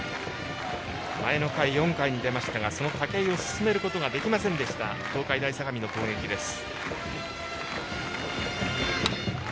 前の回、４回に出ましたがその武井を進めることができませんでした東海大相模の攻撃です。